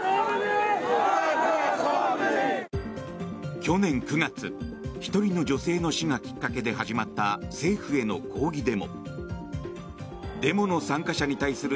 去年９月、１人の女性の死がきっかけで始まった政府への抗議デモ。